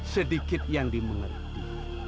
sedikit yang dimengerti